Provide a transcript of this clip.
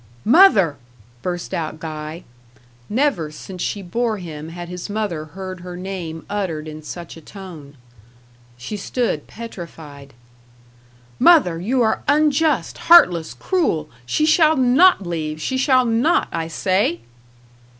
"Mother!" burst out Guy. Never since she bore him had his mother heard her name uttered in such a tone. She stood petrified. "Mother, you are unjust, heartless, cruel. She shall NOT leave; she shall NOT, I say!"